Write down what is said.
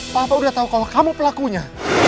papa udah tau kalau kamu pelakunya